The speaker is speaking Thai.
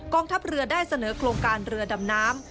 ทัพเรือได้เสนอโครงการเรือดำน้ำ